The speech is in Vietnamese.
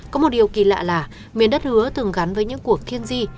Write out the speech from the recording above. có một điều kỳ lạ là miền đất hứa thường gắn với những cuộc thiên di